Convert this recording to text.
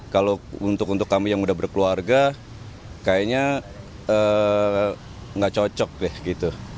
kalau untuk kami yang udah berkeluarga kayaknya nggak cocok deh gitu